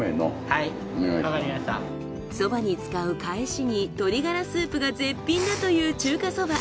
そばに使う返しに鶏がらスープが絶品だという中華そば。